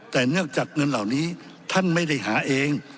แต่เนื่องจากเงินเหล่านี้ท่านไม่ได้หาเอง